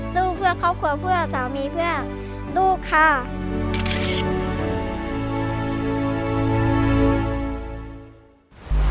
สู้เพื่อครอบครัวเพื่อสามีเพื่อลูกค่ะ